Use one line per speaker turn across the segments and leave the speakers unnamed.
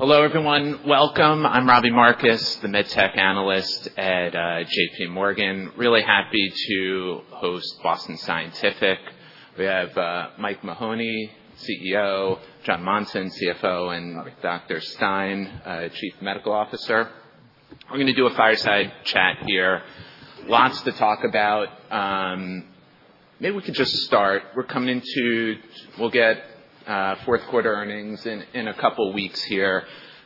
Hello, everyone. Welcome. I'm Robbie Marcus, the MedTech Analyst at JPMorgan. Really happy to host Boston Scientific. We have Mike Mahoney, CEO, Jon Monson, CFO, and Dr. Stein, Chief Medical Officer. We're going to do a fireside chat here. Lots to talk about. Maybe we could just start. We're coming into. We'll get fourth quarter earnings in a couple of weeks here.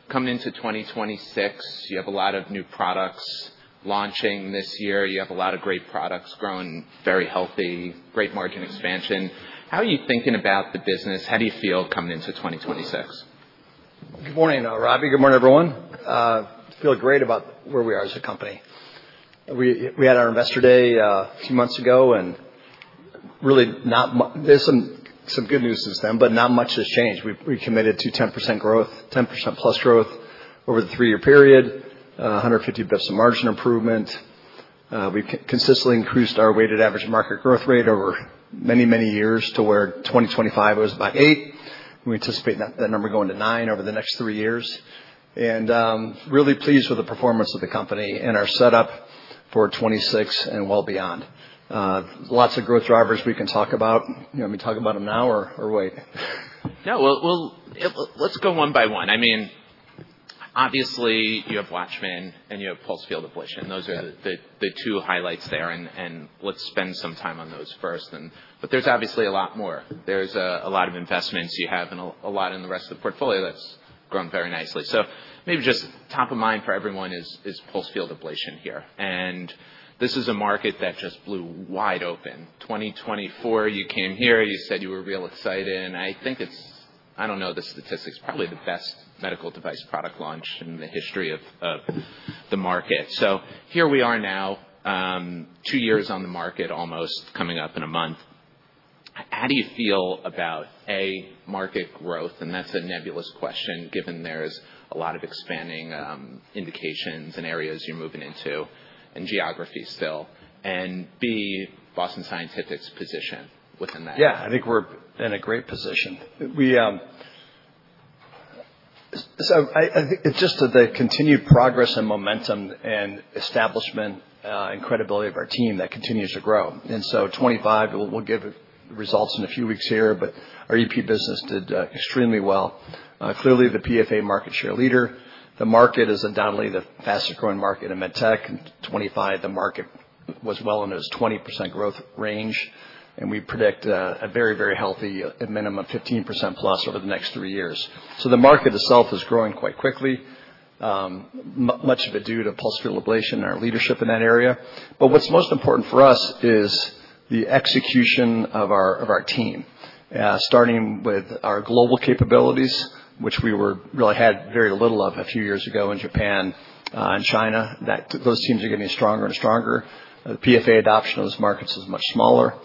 Coming into 2026, you have a lot of new products launching this year. You have a lot of great products growing very healthy, great margin expansion. How are you thinking about the business? How do you feel coming into 2026?
Good morning, Robbie. Good morning, everyone. I feel great about where we are as a company. We had our investor day a few months ago, and really not much. There's some good news since then, but not much has changed. We committed to 10% growth, 10%+ growth over the three-year period, 150 basis points of margin improvement. We've consistently increased our weighted average market growth rate over many, many years to where 2025 was about 8%. We anticipate that number going to 9% over the next three years. Really pleased with the performance of the company and our setup for 2026 and well beyond. Lots of growth drivers we can talk about. You want me to talk about them now or wait?
Yeah. Well, let's go one by one. I mean, obviously, you have WATCHMAN and you have pulsed field ablation. Those are the two highlights there. And let's spend some time on those first. But there's obviously a lot more. There's a lot of investments you have and a lot in the rest of the portfolio that's grown very nicely. So maybe just top of mind for everyone is pulsed field ablation here. And this is a market that just blew wide open. 2024, you came here, you said you were real excited. And I think it's, I don't know the statistics, probably the best medical device product launch in the history of the market. So here we are now, two years on the market almost, coming up in a month. How do you feel about A, market growth? And that's a nebulous question, given there's a lot of expanding indications and areas you're moving into and geography still. And B, Boston Scientific's position within that.
Yeah, I think we're in a great position. So I think it's just the continued progress and momentum and establishment and credibility of our team that continues to grow, and so in 2025, we'll give results in a few weeks here, but our EP business did extremely well. Clearly, the PFA market share leader. The market is undoubtedly the fastest growing market in medtech. In 2025, the market was well into its 20% growth range, and we predict a very, very healthy minimum of 15%+ over the next three years. So the market itself is growing quite quickly, much of it due to Pulsed Field Ablation and our leadership in that area, but what's most important for us is the execution of our team, starting with our global capabilities, which we really had very little of a few years ago in Japan and China. Those teams are getting stronger and stronger. The PFA adoption of those markets is much smaller.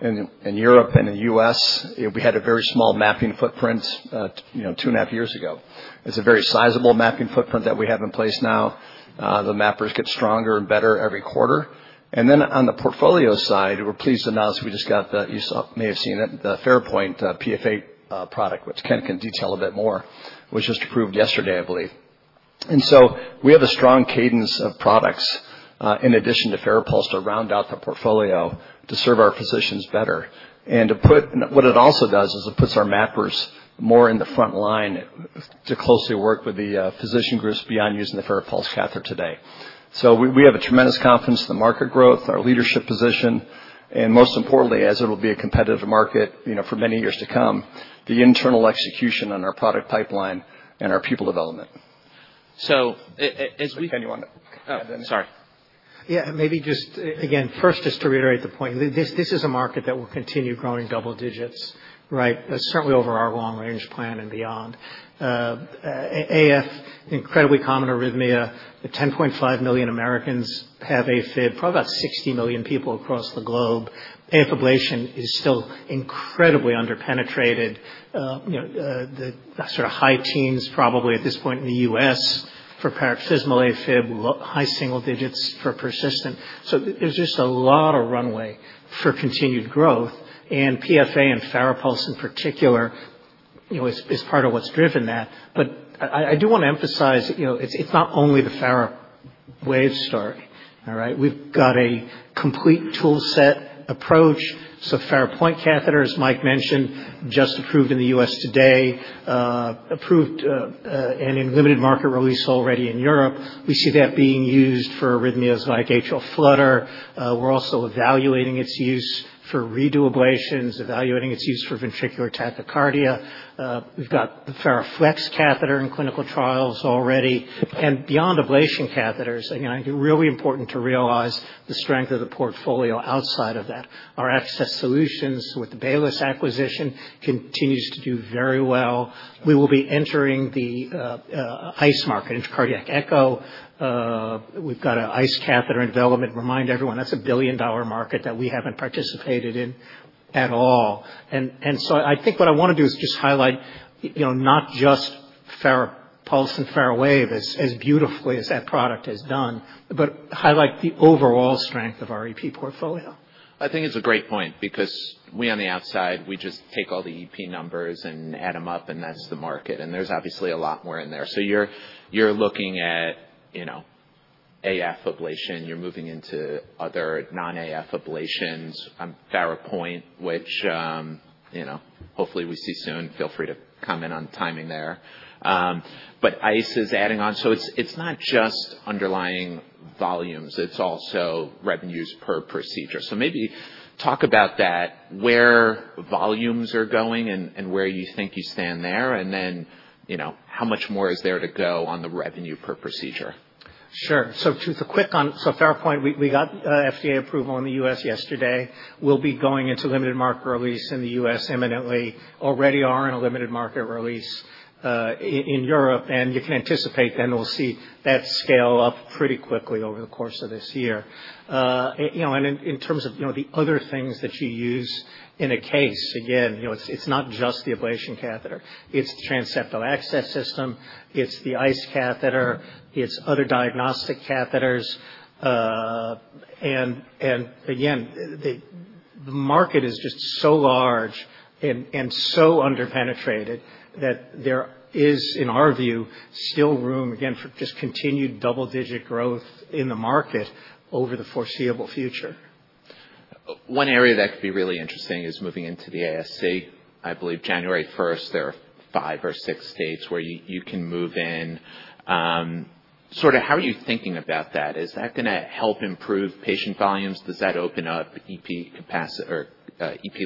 In Europe and the U.S., we had a very small mapping footprint two and a half years ago. It's a very sizable mapping footprint that we have in place now. The mappers get stronger and better every quarter. And then on the portfolio side, we're pleased to announce we just got, you may have seen it, the FARAPOINT PFA product, which Ken can detail a bit more, was just approved yesterday, I believe. And so we have a strong cadence of products in addition to FARAPULSE to round out the portfolio to serve our physicians better. And what it also does is it puts our mappers more in the front line to closely work with the physician groups beyond using the FARAPULSE catheter today. So we have tremendous confidence in the market growth, our leadership position, and most importantly, as it will be a competitive market for many years to come, the internal execution on our product pipeline and our people development.
So as we.
Ken wanted to. Sorry.
Yeah, maybe just, again, first just to reiterate the point. This is a market that will continue growing double digits, right? Certainly over our long-range plan and beyond. AF, incredibly common arrhythmia. 10.5 million Americans have AFib, probably about 60 million people across the globe. AF ablation is still incredibly underpenetrated. The sort of high teens probably at this point in the U.S. for paroxysmal AFib, high single digits for persistent. So there's just a lot of runway for continued growth. And PFA and FARAPULSE in particular is part of what's driven that. But I do want to emphasize it's not only the FARAWAVE story, all right? We've got a complete tool set approach. So FARAPOINT catheters, Mike mentioned, just approved in the U.S. today, approved and in limited market release already in Europe. We see that being used for arrhythmias like atrial flutter. We're also evaluating its use for redo ablations, evaluating its use for ventricular tachycardia. We've got the FARAFLEX catheter in clinical trials already. And beyond ablation catheters, I think it's really important to realize the strength of the portfolio outside of that. Our Access Solutions with the Baylis acquisition continues to do very well. We will be entering the ICE market, intracardiac echo. We've got an ICE catheter in development. Remind everyone, that's a billion-dollar market that we haven't participated in at all. And so I think what I want to do is just highlight not just FARAPULSE and FARAWAVE as beautifully as that product has done, but highlight the overall strength of our EP portfolio.
I think it's a great point because we, on the outside, we just take all the EP numbers and add them up, and that's the market. And there's obviously a lot more in there. So you're looking at AF ablation. You're moving into other non-AF ablations, FARAPOINT, which hopefully we see soon. Feel free to comment on timing there. But ICE is adding on. So it's not just underlying volumes. It's also revenues per procedure. So maybe talk about that, where volumes are going and where you think you stand there, and then how much more is there to go on the revenue per procedure.
Sure. So just a quick one. So FARAPOINT, we got FDA approval in the U.S. yesterday. We'll be going into limited market release in the U.S. imminently. Already are in a limited market release in Europe. And you can anticipate then we'll see that scale up pretty quickly over the course of this year. And in terms of the other things that you use in a case, again, it's not just the ablation catheter. It's the transseptal access system. It's the ICE catheter. It's other diagnostic catheters. And again, the market is just so large and so underpenetrated that there is, in our view, still room, again, for just continued double-digit growth in the market over the foreseeable future.
One area that could be really interesting is moving into the ASC. I believe January 1st, there are five or six states where you can move in. Sort of how are you thinking about that? Is that going to help improve patient volumes? Does that open up EP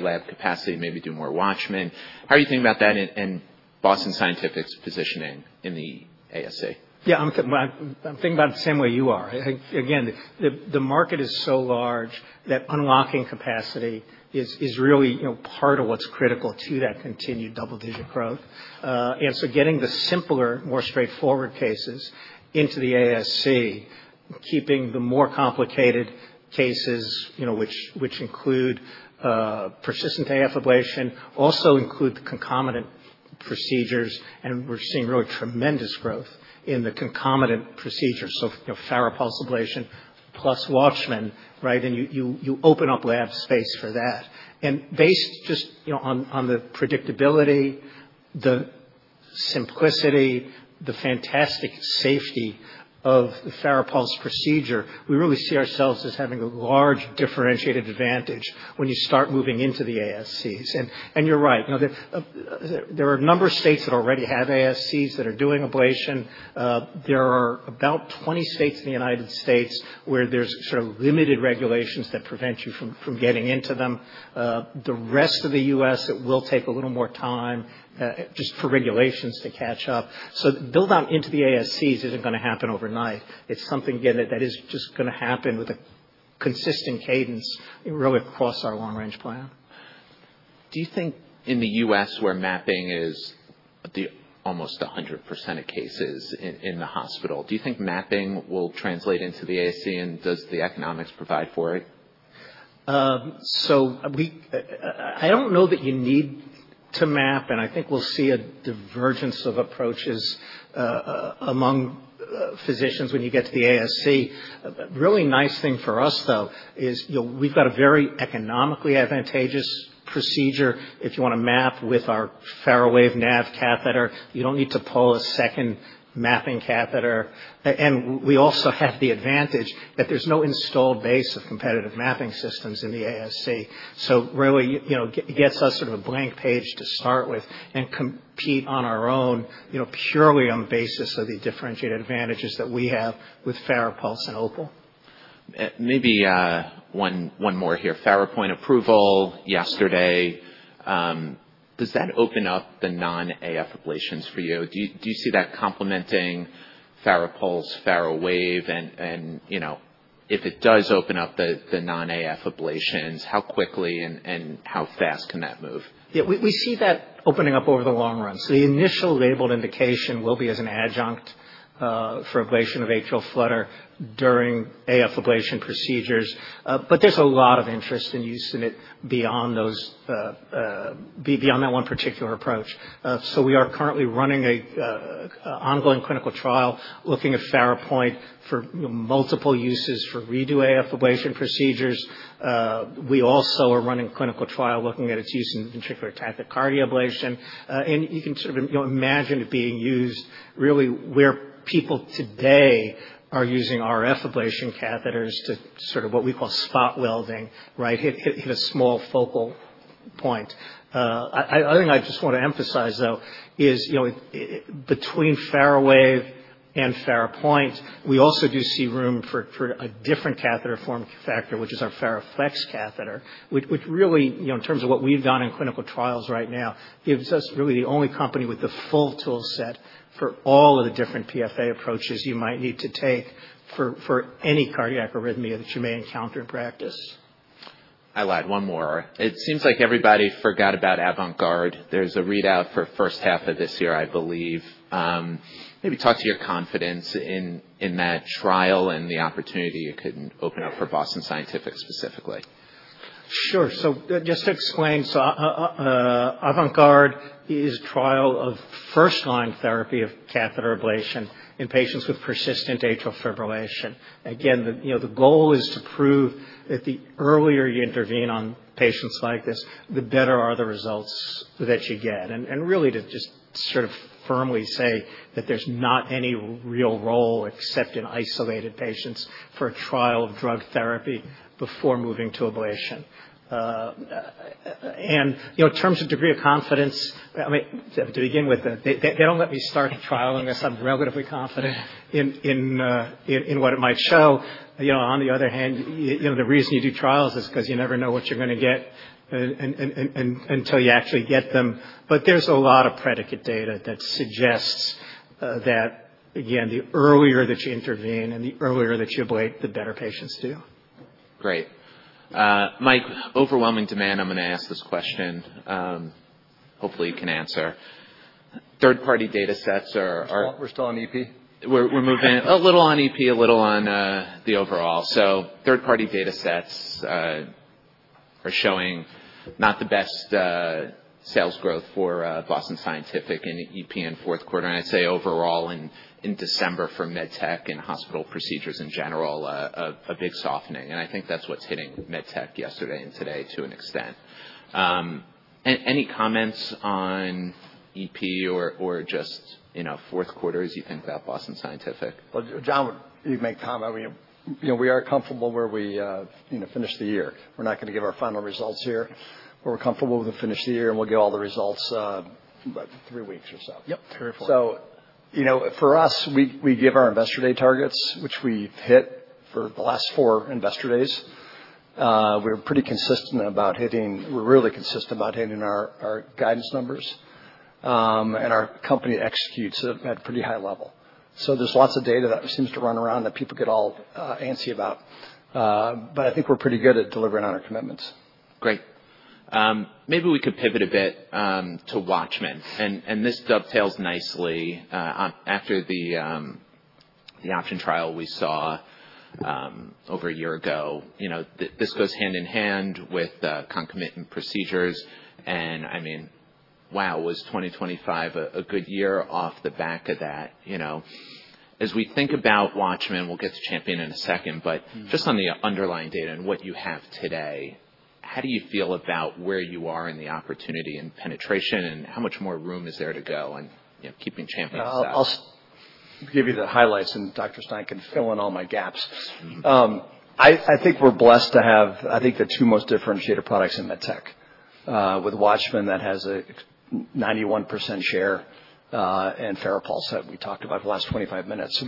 lab capacity, maybe do more WATCHMAN? How are you thinking about that and Boston Scientific's positioning in the ASC?
Yeah, I'm thinking about it the same way you are. Again, the market is so large that unlocking capacity is really part of what's critical to that continued double-digit growth. And so getting the simpler, more straightforward cases into the ASC, keeping the more complicated cases, which include persistent AF ablation, also include concomitant procedures. And we're seeing really tremendous growth in the concomitant procedures. So FARAPULSE ablation plus WATCHMAN, right? And you open up lab space for that. And based just on the predictability, the simplicity, the fantastic safety of the FARAPULSE procedure, we really see ourselves as having a large differentiated advantage when you start moving into the ASCs. And you're right. There are a number of states that already have ASCs that are doing ablation. There are about 20 states in the United States where there's sort of limited regulations that prevent you from getting into them. The rest of the U.S., it will take a little more time just for regulations to catch up. So build out into the ASCs isn't going to happen overnight. It's something, again, that is just going to happen with a consistent cadence really across our long-range plan.
In the U.S., where mapping is almost 100% of cases in the hospital, do you think mapping will translate into the ASC, and does the economics provide for it?
So I don't know that you need to map, and I think we'll see a divergence of approaches among physicians when you get to the ASC. Really nice thing for us, though, is we've got a very economically advantageous procedure. If you want to map with our FARAWAVE NAV catheter, you don't need to pull a second mapping catheter. And we also have the advantage that there's no installed base of competitive mapping systems in the ASC. So really, it gets us sort of a blank page to start with and compete on our own purely on the basis of the differentiated advantages that we have with FARAPULSE and OPAL.
Maybe one more here. FARAPOINT approval yesterday. Does that open up the non-AF ablations for you? Do you see that complementing FARAPULSE, FARAWAVE? And if it does open up the non-AF ablations, how quickly and how fast can that move?
Yeah, we see that opening up over the long run. So the initial labeled indication will be as an adjunct for ablation of atrial flutter during AF ablation procedures. But there's a lot of interest in using it beyond that one particular approach. So we are currently running an ongoing clinical trial looking at FARAPOINT for multiple uses for redo AF ablation procedures. We also are running a clinical trial looking at its use in ventricular tachycardia ablation. And you can sort of imagine it being used really where people today are using RF ablation catheters to sort of what we call spot welding, right? Hit a small focal point. I think I just want to emphasize, though, is between FARAWAVE and FARAPOINT, we also do see room for a different catheter form factor, which is our FARAFLEX catheter, which really, in terms of what we've done in clinical trials right now, gives us really the only company with the full tool set for all of the different PFA approaches you might need to take for any cardiac arrhythmia that you may encounter in practice.
I lied. One more. It seems like everybody forgot about AVANT GUARD. There's a readout for first half of this year, I believe. Maybe talk to your confidence in that trial and the opportunity it could open up for Boston Scientific specifically.
Sure. So just to explain, AVANT GUARD is a trial of first-line therapy of catheter ablation in patients with persistent atrial fibrillation. Again, the goal is to prove that the earlier you intervene on patients like this, the better are the results that you get. And really to just sort of firmly say that there's not any real role except in isolated patients for a trial of drug therapy before moving to ablation. And in terms of degree of confidence, I mean, to begin with, they don't let me start the trial unless I'm relatively confident in what it might show. On the other hand, the reason you do trials is because you never know what you're going to get until you actually get them. But there's a lot of predicate data that suggests that, again, the earlier that you intervene and the earlier that you ablate, the better patients do.
Great. Mike, overwhelming demand. I'm going to ask this question. Hopefully, you can answer. Third-party data sets are.
We're still on EP?
We're moving a little on EP, a little on the overall. So third-party data sets are showing not the best sales growth for Boston Scientific in EP and fourth quarter. And I'd say overall in December for medtech and hospital procedures in general, a big softening. And I think that's what's hitting medtech yesterday and today to an extent. Any comments on EP or just fourth quarter as you think about Boston Scientific?
Jon, you can make a comment. We are comfortable where we finish the year. We're not going to give our final results here. But we're comfortable with the finish of the year, and we'll get all the results in about three weeks or so.
Yep, three or four.
So for us, we give our investor day targets, which we've hit for the last four investor days. We're pretty consistent about hitting. We're really consistent about hitting our guidance numbers. And our company executes at a pretty high level. So there's lots of data that seems to run around that people get all antsy about. But I think we're pretty good at delivering on our commitments.
Great. Maybe we could pivot a bit to WATCHMAN. And this dovetails nicely after the OPTION trial we saw over a year ago. This goes hand in hand with concomitant procedures. And I mean, wow, was 2025 a good year off the back of that? As we think about WATCHMAN, we'll get to CHAMPION in a second. But just on the underlying data and what you have today, how do you feel about where you are in the opportunity and penetration and how much more room is there to go in keeping CHAMPION steady?
I'll give you the highlights, and Dr. Stein can fill in all my gaps. I think we're blessed to have I think the two most differentiated products in medtech. With WATCHMAN, that has a 91% share and FARAPULSE that we talked about the last 25 minutes,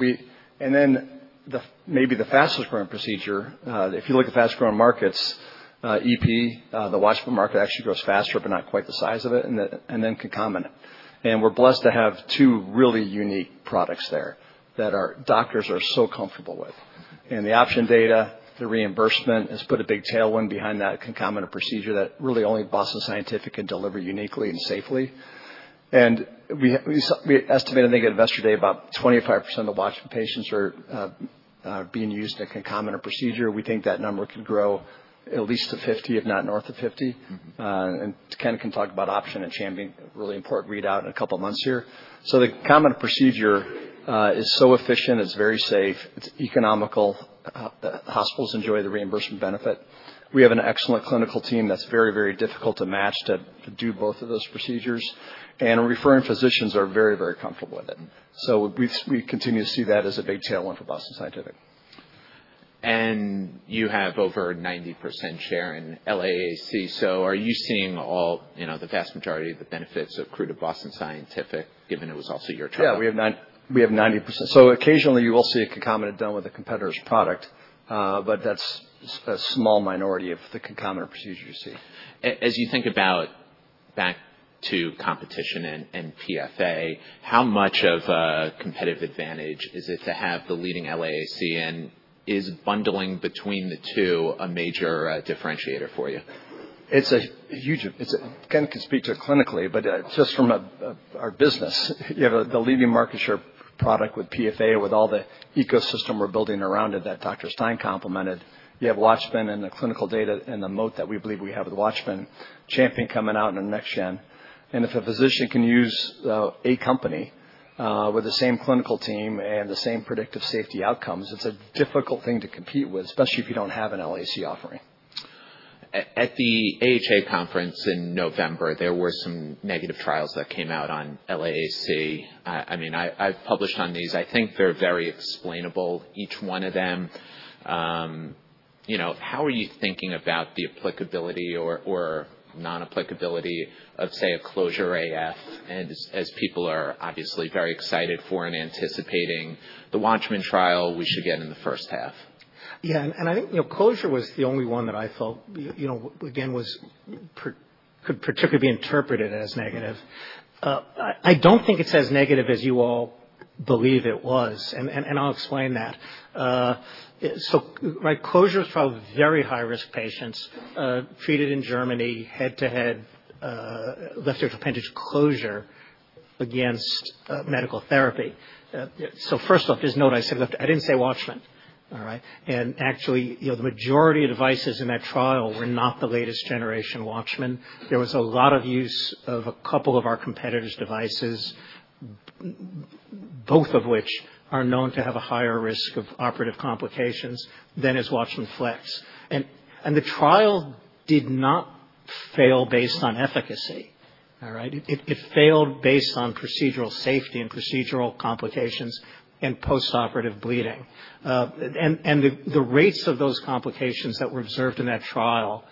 and then maybe the fastest growing procedure, if you look at fastest growing markets, EP, the WATCHMAN market actually grows faster, but not quite the size of it, and then concomitant. And we're blessed to have two really unique products there that our doctors are so comfortable with. And the option data, the reimbursement has put a big tailwind behind that concomitant procedure that really only Boston Scientific can deliver uniquely and safely. And we estimated, I think, at investor day about 25% of WATCHMAN patients are being used in a concomitant procedure. We think that number could grow at least to 50, if not north of 50. And Ken can talk about OPTION and CHAMPION-AF, really important readout in a couple of months here. So the concomitant procedure is so efficient. It's very safe. It's economical. Hospitals enjoy the reimbursement benefit. We have an excellent clinical team that's very, very difficult to match to do both of those procedures. And referring physicians are very, very comfortable with it. So we continue to see that as a big tailwind for Boston Scientific.
And you have over 90% share in LAAC. So are you seeing all the vast majority of the benefits accrued to Boston Scientific, given it was also your trial?
Yeah, we have 90%. So occasionally, you will see a concomitant done with a competitor's product. But that's a small minority of the concomitant procedures you see.
As you think back to competition and PFA, how much of a competitive advantage is it to have the leading LAAC? And is bundling between the two a major differentiator for you?
Ken can speak to it clinically. But just from our business, you have the leading market share product with PFA with all the ecosystem we're building around it that Dr. Stein complemented. You have WATCHMAN and the clinical data and the moat that we believe we have with WATCHMAN, CHAMPION coming out in the next gen. And if a physician can use a company with the same clinical team and the same predictive safety outcomes, it's a difficult thing to compete with, especially if you don't have an LAAC offering.
At the AHA conference in November, there were some negative trials that came out on LAAC. I mean, I've published on these. I think they're very explainable, each one of them. How are you thinking about the applicability or non-applicability of, say, a CLOSURE-AF? And as people are obviously very excited for and anticipating the WATCHMAN trial, we should get in the first half.
Yeah. And I think CLOSURE was the only one that I felt, again, could particularly be interpreted as negative. I don't think it's as negative as you all believe it was. And I'll explain that. So CLOSURE is for very high-risk patients treated in Germany head-to-head, left atrial appendage closure against medical therapy. So first off, just note, I said I didn't say WATCHMAN, all right? And actually, the majority of devices in that trial were not the latest generation WATCHMAN. There was a lot of use of a couple of our competitors' devices, both of which are known to have a higher risk of operative complications than is WATCHMAN FLX. And the trial did not fail based on efficacy, all right? It failed based on procedural safety and procedural complications and post-operative bleeding. And the rates of those complications that were observed in that trial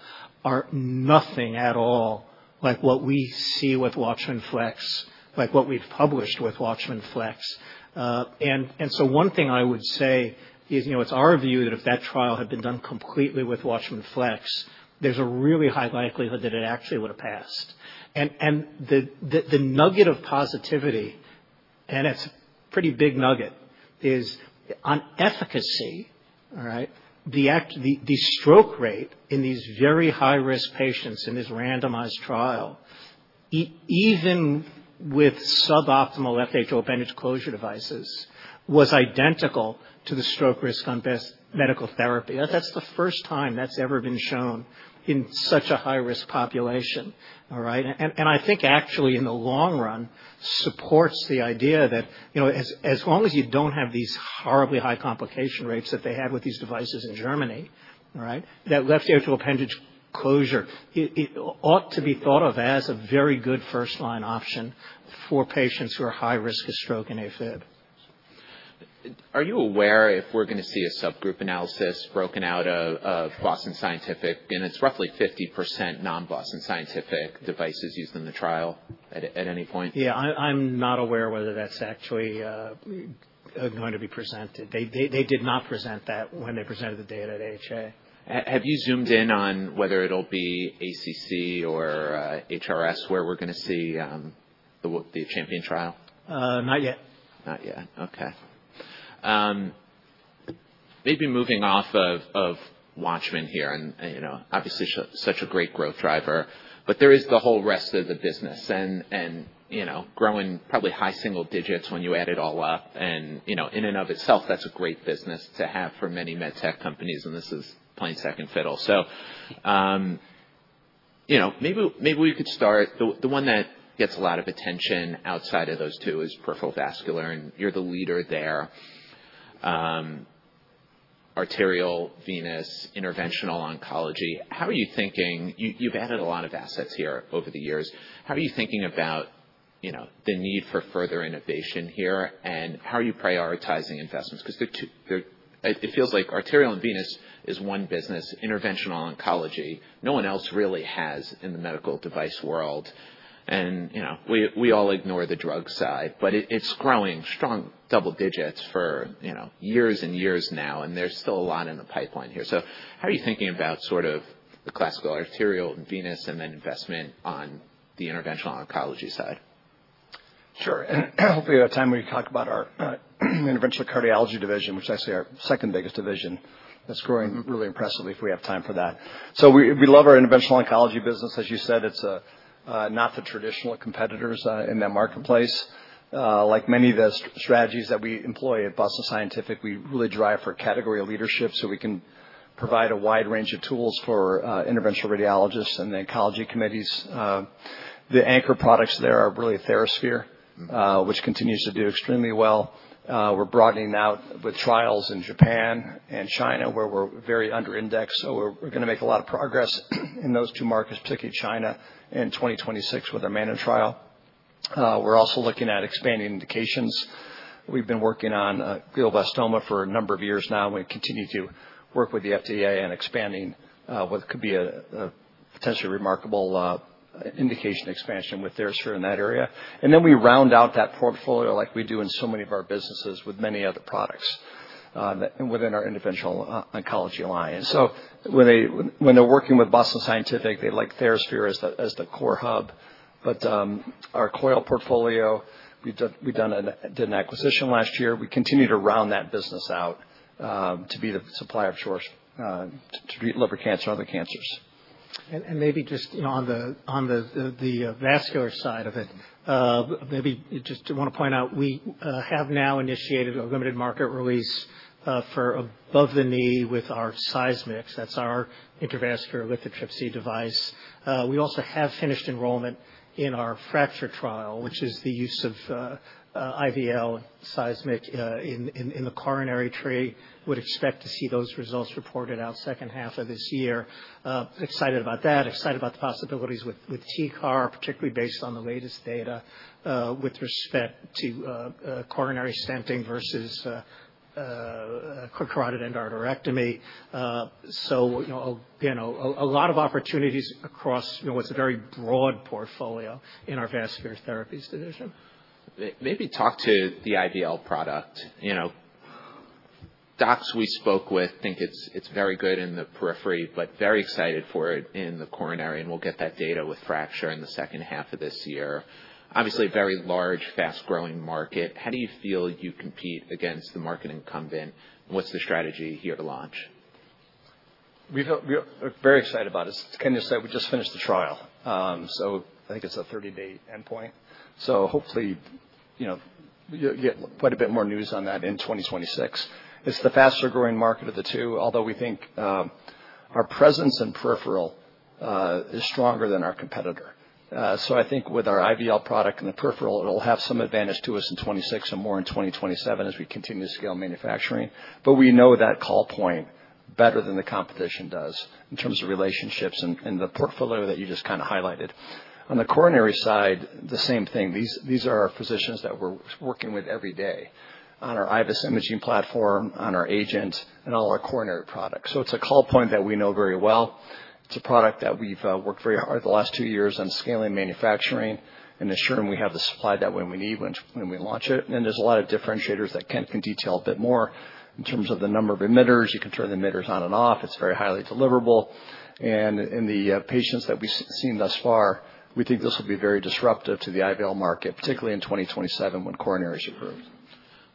are nothing at all like what we see with WATCHMAN FLX, like what we've published with WATCHMAN FLX. And so one thing I would say is it's our view that if that trial had been done completely with WATCHMAN FLX, there's a really high likelihood that it actually would have passed. And the nugget of positivity, and it's a pretty big nugget, is on efficacy, all right? The stroke rate in these very high-risk patients in this randomized trial, even with suboptimal left atrial appendage closure devices, was identical to the stroke risk on best medical therapy. That's the first time that's ever been shown in such a high-risk population, all right? I think actually, in the long run, supports the idea that as long as you don't have these horribly high complication rates that they had with these devices in Germany, all right, that left atrial appendage closure ought to be thought of as a very good first-line option for patients who are high risk of stroke and AFib.
Are you aware if we're going to see a subgroup analysis broken out of Boston Scientific? And it's roughly 50% non-Boston Scientific devices used in the trial at any point?
Yeah. I'm not aware whether that's actually going to be presented. They did not present that when they presented the data at AHA.
Have you zoomed in on whether it'll be ACC or HRS where we're going to see the CHAMPION trial?
Not yet.
Not yet. Okay. Maybe moving off of WATCHMAN here, and obviously, such a great growth driver, but there is the whole rest of the business and growing probably high single digits when you add it all up, and in and of itself, that's a great business to have for many medtech companies, and this is plain second fiddle, so maybe we could start. The one that gets a lot of attention outside of those two is peripheral vascular, and you're the leader there. Arterial, venous, interventional oncology. How are you thinking? You've added a lot of assets here over the years. How are you thinking about the need for further innovation here, and how are you prioritizing investments? Because it feels like arterial and venous is one business, Interventional Oncology. No one else really has in the medical device world, and we all ignore the drug side. But it's growing strong double digits for years and years now. And there's still a lot in the pipeline here. So how are you thinking about sort of the classical arterial and venous and then investment on the interventional oncology side?
Sure. And hopefully, at a time when you talk about our Interventional Cardiology division, which is actually our second biggest division, that's growing really impressively if we have time for that. So we love our Interventional Oncology business. As you said, it's not the traditional competitors in that marketplace. Like many of the strategies that we employ at Boston Scientific, we really drive for category leadership so we can provide a wide range of tools for interventional radiologists and the oncology committees. The anchor products there are really TheraSphere, which continues to do extremely well. We're broadening out with trials in Japan and China where we're very under-indexed. So we're going to make a lot of progress in those two markets, particularly China in 2026 with our Mandarin trial. We're also looking at expanding indications. We've been working on glioblastoma for a number of years now. We continue to work with the FDA and expanding what could be a potentially remarkable indication expansion with TheraSphere in that area, and then we round out that portfolio like we do in so many of our businesses with many other products within our Interventional Oncology line, so when they're working with Boston Scientific, they like TheraSphere as the core hub, but our coil portfolio, we did an acquisition last year. We continue to round that business out to be the supply of spheres to treat liver cancer and other cancers.
And maybe just on the vascular side of it, maybe just want to point out we have now initiated a limited market release for above the knee with our Seismic. That's our intravascular lithotripsy device. We also have finished enrollment in our FRACTURE trial, which is the use of IVL and Seismic in the coronary tree. Would expect to see those results reported out second half of this year. Excited about that. Excited about the possibilities with TCAR, particularly based on the latest data with respect to coronary stenting versus carotid endarterectomy. So again, a lot of opportunities across what's a very broad portfolio in our vascular therapies division.
Maybe talk to the IVL product. Docs we spoke with think it's very good in the periphery, but very excited for it in the coronary. And we'll get that data with fracture in the second half of this year. Obviously, a very large, fast-growing market. How do you feel you compete against the market incumbent? And what's the strategy here to launch?
We're very excited about it. As Ken just said, we just finished the trial. So I think it's a 30-day endpoint. So hopefully, you'll get quite a bit more news on that in 2026. It's the faster-growing market of the two, although we think our presence in peripheral is stronger than our competitor. So I think with our IVL product in the peripheral, it'll have some advantage to us in 2026 and more in 2027 as we continue to scale manufacturing. But we know that call point better than the competition does in terms of relationships and the portfolio that you just kind of highlighted. On the coronary side, the same thing. These are our physicians that we're working with every day on our IVUS imaging platform, on our AGENT, and all our coronary products. So it's a call point that we know very well. It's a product that we've worked very hard the last two years on scaling manufacturing and ensuring we have the supply that when we need when we launch it. And there's a lot of differentiators that Ken can detail a bit more in terms of the number of emitters. You can turn the emitters on and off. It's very highly deliverable. And in the patients that we've seen thus far, we think this will be very disruptive to the IVL market, particularly in 2027 when coronary is approved.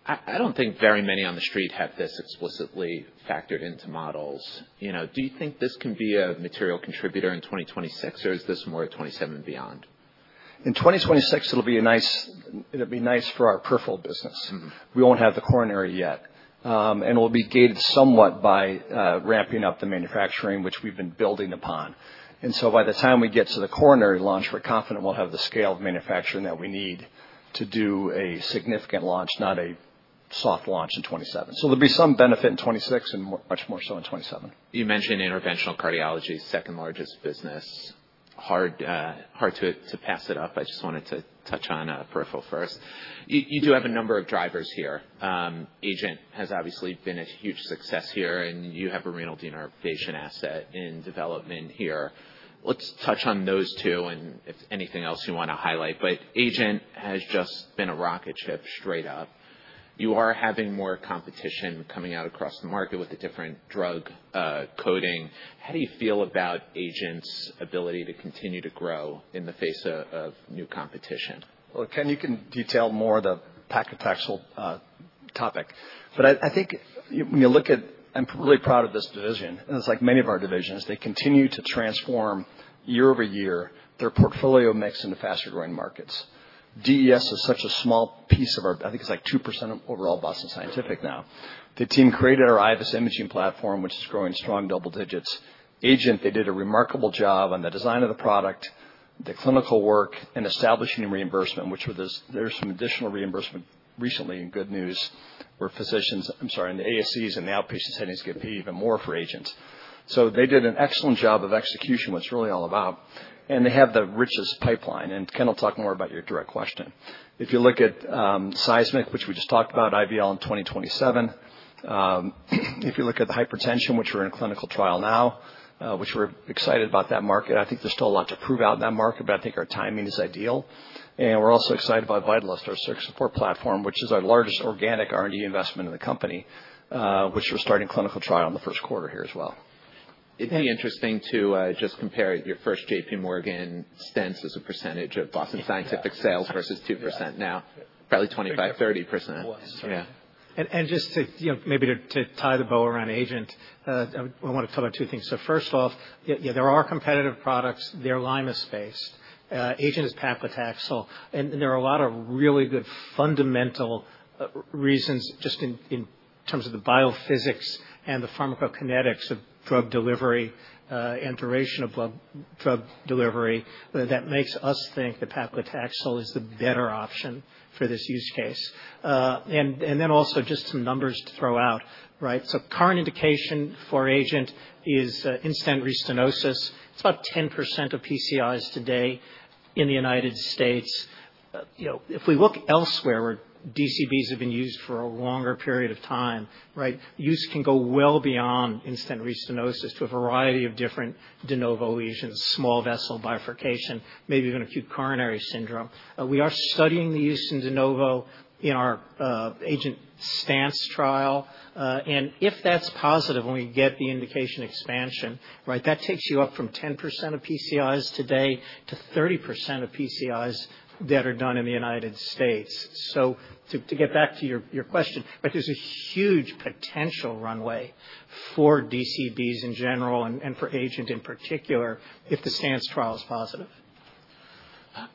I don't think very many on the street have this explicitly factored into models. Do you think this can be a material contributor in 2026, or is this more 2027 and beyond?
In 2026, it'll be nice for our peripheral business. We won't have the coronary yet. And it'll be gated somewhat by ramping up the manufacturing, which we've been building upon. And so by the time we get to the coronary launch, we're confident we'll have the scale of manufacturing that we need to do a significant launch, not a soft launch in 2027. So there'll be some benefit in 2026 and much more so in 2027.
You mentioned Interventional Cardiology, second largest business. Hard to pass it up. I just wanted to touch on peripheral first. You do have a number of drivers here. AGENT has obviously been a huge success here. And you have a renal denervation asset in development here. Let's touch on those two and if anything else you want to highlight. But AGENT has just been a rocket ship straight up. You are having more competition coming out across the market with a different drug coating. How do you feel about AGENT's ability to continue to grow in the face of new competition?
Ken, you can detail more the paclitaxel topic. I think when you look at, I'm really proud of this division. It's like many of our divisions. They continue to transform year over year their portfolio mix into faster-growing markets. DES is such a small piece of our. I think it's like 2% of overall Boston Scientific now. The team created our IVUS imaging platform, which is growing strong double digits. AGENT, they did a remarkable job on the design of the product, the clinical work, and establishing reimbursement, which there's some additional reimbursement recently in good news where physicians, I'm sorry, in the ASCs and the outpatient settings get paid even more for AGENT. They did an excellent job of execution, what it's really all about. They have the richest pipeline. Ken will talk more about your direct question. If you look at Seismic, which we just talked about, IVL in 2027. If you look at the hypertension, which we're in a clinical trial now, which we're excited about that market. I think there's still a lot to prove out in that market, but I think our timing is ideal, and we're also excited about VITALYST, our support platform, which is our largest organic R&D investment in the company, which we're starting clinical trial in the first quarter here as well.
It'd be interesting to just compare your first JPMorgan stents as a percentage of Boston Scientific sales versus 2% now. Probably 25%-30%.
Just to maybe tie the bow around AGENT, I want to talk about two things. So first off, there are competitive products. They're limus-based. AGENT is paclitaxel. And there are a lot of really good fundamental reasons just in terms of the biophysics and the pharmacokinetics of drug delivery and duration of drug delivery that makes us think the paclitaxel is the better option for this use case. And then also just some numbers to throw out, right? So current indication for AGENT is in-stent restenosis. It's about 10% of PCIs today in the United States. If we look elsewhere, where DCBs have been used for a longer period of time, right, use can go well beyond in-stent restenosis to a variety of different de novo lesions, small vessel bifurcation, maybe even acute coronary syndrome. We are studying the use in de novo in our AGENT stents trial, and if that's positive when we get the indication expansion, right, that takes you up from 10% of PCIs today to 30% of PCIs that are done in the United States, so to get back to your question, there's a huge potential runway for DCBs in general and for AGENT in particular if the stents trial is positive.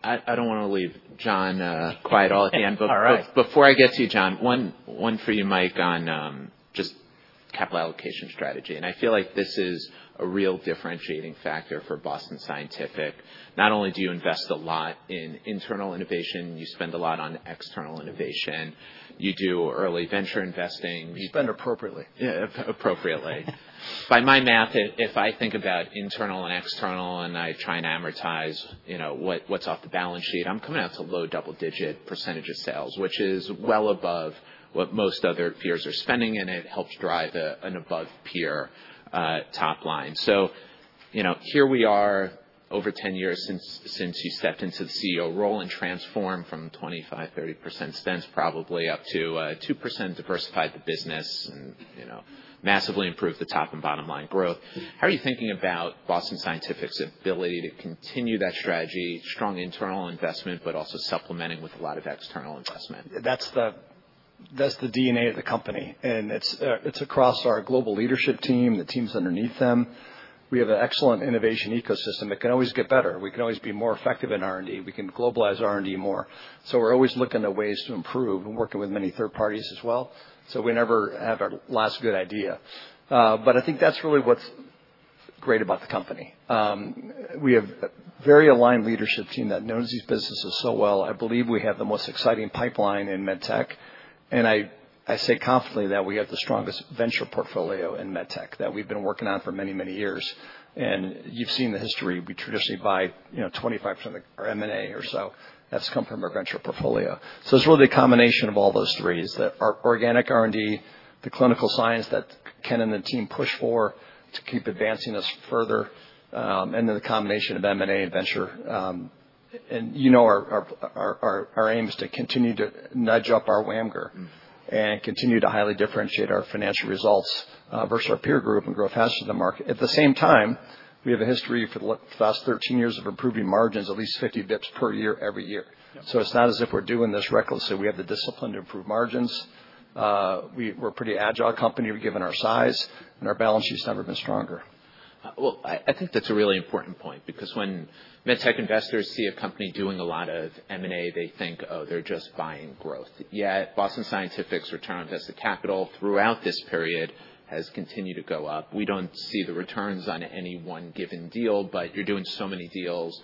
I don't want to leave Jon quiet all at the end. But before I get to you, Jon, one for you, Mike, on just capital allocation strategy. And I feel like this is a real differentiating factor for Boston Scientific. Not only do you invest a lot in internal innovation, you spend a lot on external innovation. You do early venture investing.
You spend appropriately.
Yeah, appropriately. By my math, if I think about internal and external and I try and amortize what's off the balance sheet, I'm coming out to low double-digit % of sales, which is well above what most other peers are spending, and it helps drive an above-peer top line, so here we are over 10 years since you stepped into the CEO role and transformed from 25%-30% stents probably up to 2% diversified the business and massively improved the top and bottom line growth. How are you thinking about Boston Scientific's ability to continue that strategy, strong internal investment, but also supplementing with a lot of external investment?
That's the DNA of the company. And it's across our global leadership team, the teams underneath them. We have an excellent innovation ecosystem that can always get better. We can always be more effective in R&D. We can globalize R&D more. So we're always looking at ways to improve and working with many third parties as well. So we never have our last good idea. But I think that's really what's great about the company. We have a very aligned leadership team that knows these businesses so well. I believe we have the most exciting pipeline in medtech. And I say confidently that we have the strongest venture portfolio in medtech that we've been working on for many, many years. And you've seen the history. We traditionally buy 25% of our M&A or so. That's come from our venture portfolio. So it's really a combination of all those threes: our organic R&D, the clinical science that Ken and the team push for to keep advancing us further, and then the combination of M&A and venture. And you know our aim is to continue to nudge up our WAMGR and continue to highly differentiate our financial results versus our peer group and grow faster than the market. At the same time, we have a history for the last 13 years of improving margins at least 50 basis points per year every year. So it's not as if we're doing this recklessly. We have the discipline to improve margins. We're a pretty agile company given our size. And our balance sheet's never been stronger.
I think that's a really important point because when medtech investors see a company doing a lot of M&A, they think, oh, they're just buying growth. Yet Boston Scientific's return on invested capital throughout this period has continued to go up. We don't see the returns on any one given deal. But you're doing so many deals,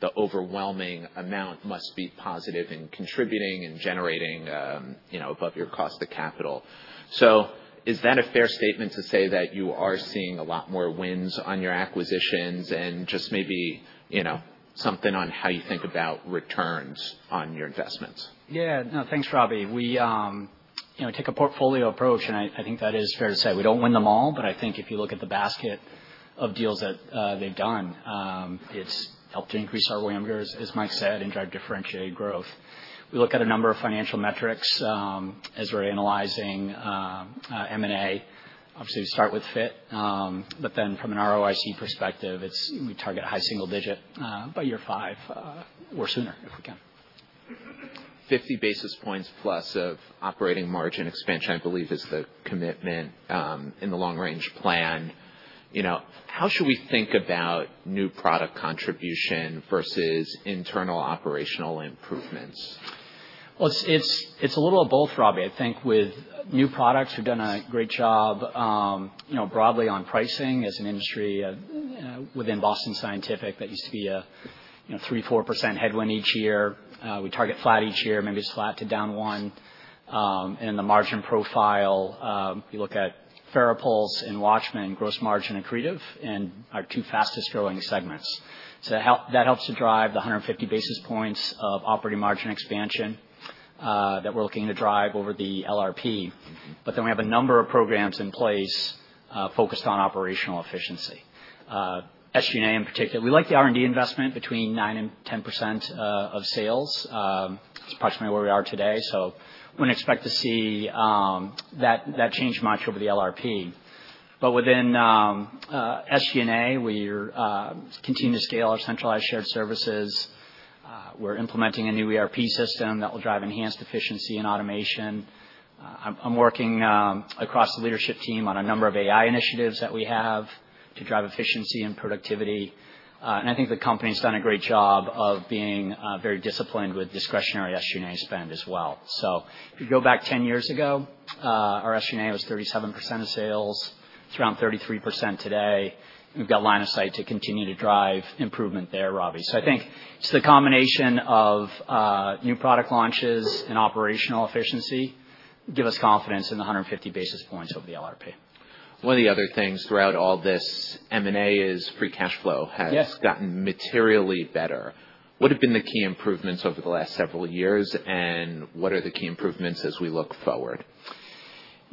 the overwhelming amount must be positive in contributing and generating above your cost of capital. So is that a fair statement to say that you are seeing a lot more wins on your acquisitions and just maybe something on how you think about returns on your investments?
Yeah. No, thanks, Robbie. We take a portfolio approach, and I think that is fair to say. We don't win them all, but I think if you look at the basket of deals that they've done, it's helped to increase our WAMGR, as Mike said, and drive differentiated growth. We look at a number of financial metrics as we're analyzing M&A. Obviously, we start with FIT, but then from an ROIC perspective, we target a high single digit by year five or sooner if we can.
50 basis points plus of operating margin expansion, I believe, is the commitment in the long-range plan. How should we think about new product contribution versus internal operational improvements?
It's a little of both, Robbie. I think with new products, we've done a great job broadly on pricing as an industry within Boston Scientific that used to be a 3%-4% headwind each year. We target flat each year, maybe it's flat to down 1%. And in the margin profile, you look at FARAPULSE's and WATCHMAN gross margin accretive and our two fastest growing segments. So that helps to drive the 150 basis points of operating margin expansion that we're looking to drive over the LRP. But then we have a number of programs in place focused on operational efficiency. SG&A in particular, we like the R&D investment between 9%-10% of sales. It's approximately where we are today. So we wouldn't expect to see that change much over the LRP. But within SG&A, we continue to scale our centralized shared services. We're implementing a new ERP system that will drive enhanced efficiency and automation. I'm working across the leadership team on a number of AI initiatives that we have to drive efficiency and productivity. And I think the company's done a great job of being very disciplined with discretionary SG&A spend as well. So if you go back 10 years ago, our SG&A was 37% of sales, it's around 33% today. We've got line of sight to continue to drive improvement there, Robbie. So I think it's the combination of new product launches and operational efficiency give us confidence in the 150 basis points over the LRP.
One of the other things throughout all this, M&A is free cash flow has gotten materially better. What have been the key improvements over the last several years, and what are the key improvements as we look forward?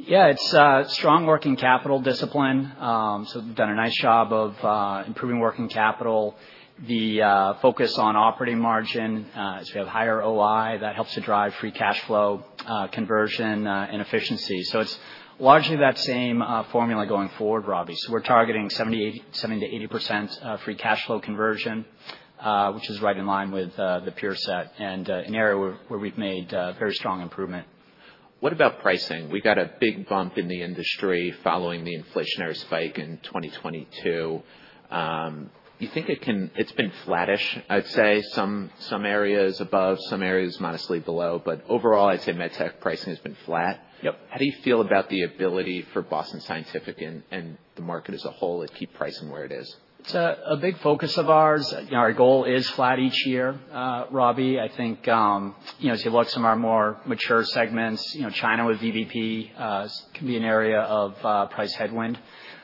Yeah, it's strong working capital discipline. So we've done a nice job of improving working capital. The focus on operating margin, as we have higher OI, that helps to drive free cash flow conversion and efficiency. So it's largely that same formula going forward, Robbie. So we're targeting 70%-80% free cash flow conversion, which is right in line with the peer set and an area where we've made very strong improvement.
What about pricing? We got a big bump in the industry following the inflationary spike in 2022. You think it's been flattish, I'd say, some areas above, some areas modestly below. But overall, I'd say medtech pricing has been flat. How do you feel about the ability for Boston Scientific and the market as a whole to keep pricing where it is?
It's a big focus of ours. Our goal is flat each year, Robbie. I think as you look at some of our more mature segments, China with VBP can be an area of price headwind.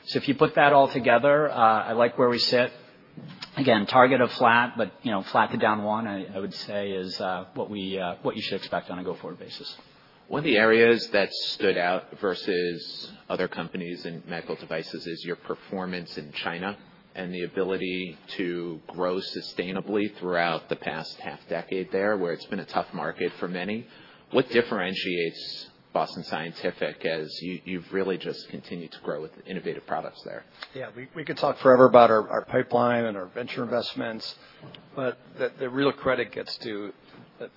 So if you put that all together, I like where we sit. Again, target of flat, but flat to down one, I would say, is what you should expect on a go-forward basis.
One of the areas that stood out versus other companies in medical devices is your performance in China and the ability to grow sustainably throughout the past half-decade there where it's been a tough market for many. What differentiates Boston Scientific as you've really just continued to grow with innovative products there?
Yeah, we could talk forever about our pipeline and our venture investments. But the real credit gets to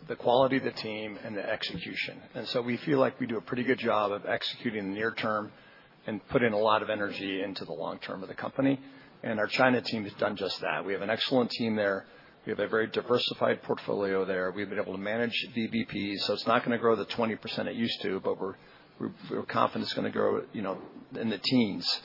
the quality of the team and the execution. And so we feel like we do a pretty good job of executing the near term and putting a lot of energy into the long term of the company. And our China team has done just that. We have an excellent team there. We have a very diversified portfolio there. We've been able to manage VBP. So it's not going to grow the 20% it used to, but we're confident it's going to grow in the teens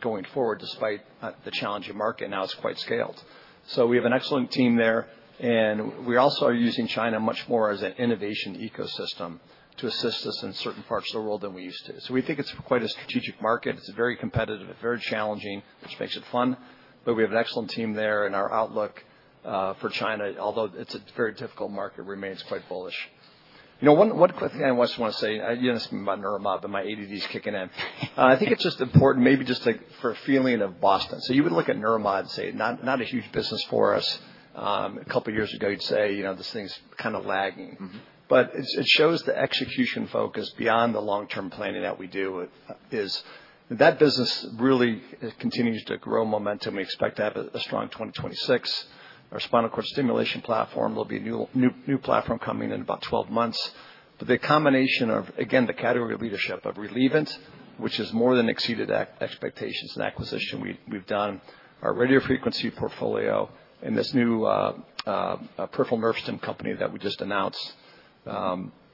going forward despite the challenging market. Now it is quite scaled. So we have an excellent team there. And we also are using China much more as an innovation ecosystem to assist us in certain parts of the world than we used to. So we think it's quite a strategic market. It's very competitive, very challenging, which makes it fun. But we have an excellent team there. And our outlook for China, although it's a very difficult market, remains quite bullish. One quick thing I want to say, you didn't ask me about Neuromod, but my ADD is kicking in. I think it's just important maybe just for a feeling of Boston. So you would look at Neuromod and say, not a huge business for us. A couple of years ago, you'd say, this thing's kind of lagging. But it shows the execution focus beyond the long-term planning that we do is that business really continues to grow momentum. We expect to have a strong 2026. Our spinal cord stimulation platform, there'll be a new platform coming in about 12 months. But the combination of, again, the category leadership of Relievant, which has more than exceeded expectations since the acquisition we've done, our radiofrequency portfolio, and this new peripheral nerve stim company that we just announced.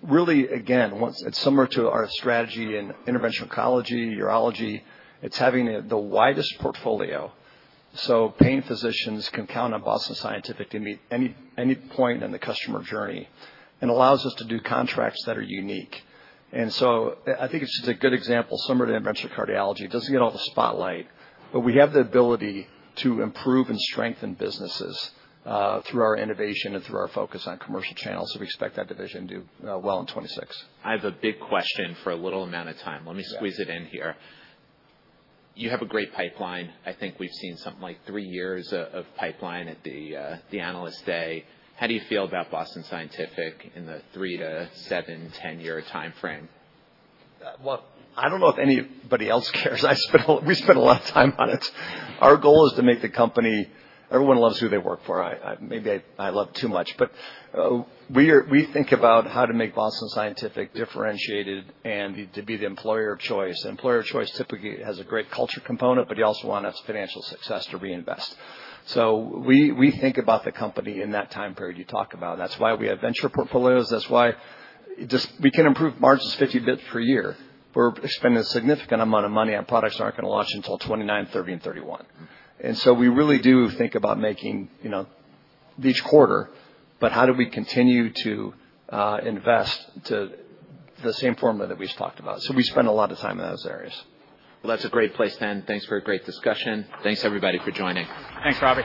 Really, again, it's similar to our strategy in Interventional Oncology and Urology. It's having the widest portfolio. So pain physicians can count on Boston Scientific to meet any point in the customer journey and [that] allows us to do contracts that are unique. And so I think it's a good example. Similar to Interventional Cardiology, it doesn't get all the spotlight. But we have the ability to improve and strengthen businesses through our innovation and through our focus on commercial channels. So we expect that division to do well in 2026.
I have a big question for a little amount of time. Let me squeeze it in here. You have a great pipeline. I think we've seen something like three years of pipeline at the analyst day. How do you feel about Boston Scientific in the three to seven, 10-year time frame?
I don't know if anybody else cares. We spend a lot of time on it. Our goal is to make the company everyone loves who they work for. Maybe I love too much, but we think about how to make Boston Scientific differentiated and to be the employer of choice. The employer of choice typically has a great culture component, but you also want its financial success to reinvest so we think about the company in that time period you talk about. That's why we have venture portfolios. That's why we can improve margins 50 basis points per year. We're spending a significant amount of money on products that aren't going to launch until 2029, 2030, and 2031, and so we really do think about making each quarter but how do we continue to invest to the same formula that we've talked about? So we spend a lot of time in those areas.
That's a great place, Mike. Thanks for a great discussion. Thanks, everybody, for joining.
Thanks, Robbie.